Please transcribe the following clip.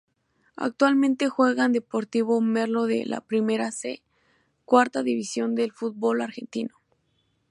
Actualmente juega en Deportivo Merlo de la Primera C, cuarta división del fútbol argentino.